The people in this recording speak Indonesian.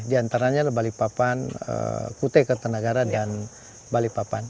di antaranya balipapan kute ketenagara dan balipapan